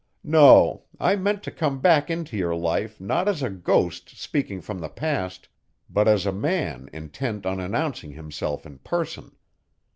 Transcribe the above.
"No, I meant to come back into your life not as a ghost speaking from the past but as a man intent on announcing himself in person.